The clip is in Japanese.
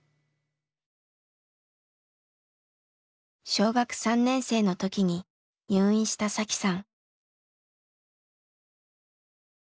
小学３年生の時に入院した紗輝さん。